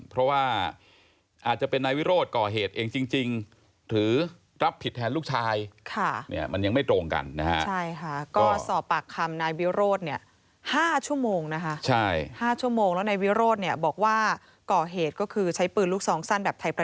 เพราะว่าอาจจะเป็นนายวิโรธก่อเหตุเองจริงหรือรับผิดแทนลูกชาย